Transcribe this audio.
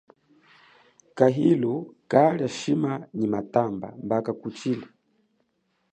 Kahilu kalia shima nyi matamba mba kakutshile.